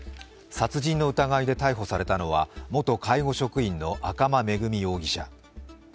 殺人の疑いで逮捕されたのは元介護職員の赤間恵美容疑者。